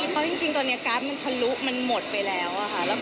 เพราะจริงตอนนี้การ์ดมันทะลุมันหมดไปแล้วค่ะ